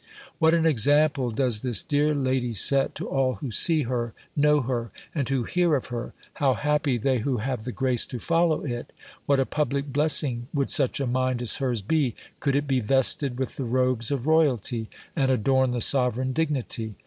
What an example does this dear lady set to all who see her, know her, and who hear of her; how happy they who have the grace to follow it! What a public blessing would such a mind as hers be, could it be vested with the robes of royalty, and adorn the sovereign dignity!